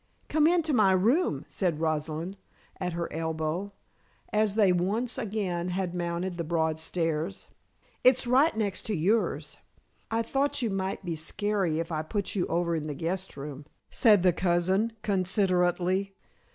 "Come into my room," said Rosalind at her elbow, as they once again had mounted the broad stairs. "It's right next to yours I thought you might be scary if I put you over in the guest room," said the cousin, considerately.